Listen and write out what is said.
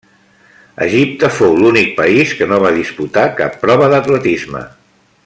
Egipte fou l'únic país que no va disputar cap prova d'atletisme.